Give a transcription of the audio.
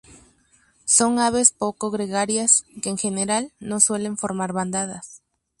Son aves poco gregarias que, en general, no suelen formar bandadas.